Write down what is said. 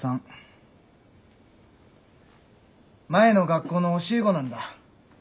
前の学校の教え子なんだ。